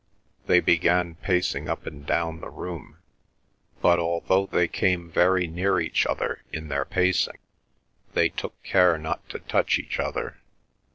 They began pacing up and down the room, but although they came very near each other in their pacing, they took care not to touch each other.